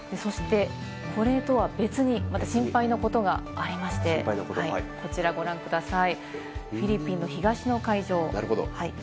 そしてこれとは別に、また心配なことがありまして、こちらご覧ください。